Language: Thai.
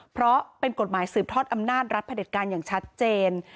เพราะเป็นกฎหมายสืบทอดอำนาจรัฐพระเด็จการอย่างชัดเจน